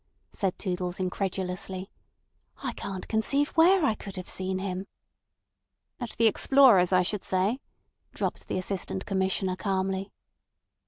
said Toodles incredulously. "I can't conceive where I could have seen him." "At the Explorers, I should say," dropped the Assistant Commissioner calmly.